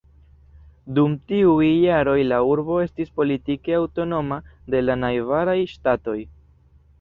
Dum tiuj jaroj la urbo estis politike aŭtonoma de la najbaraj ŝtatoj.